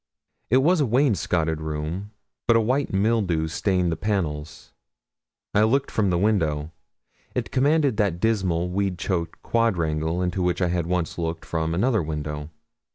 It was a wainscoted room, but a white mildew stained the panels. I looked from the window: it commanded that dismal, weed choked quadrangle into which I had once looked from another window.